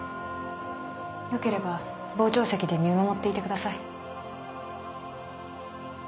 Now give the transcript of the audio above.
よければ傍聴席で見守っていてください。